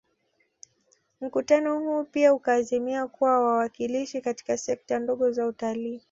Mkutano huu pia ukaazimia kuwa wawakilishi katika sekta ndogo za utalii